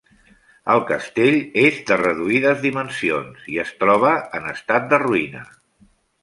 El castell és de reduïdes dimensions i es troba en estat de ruïna.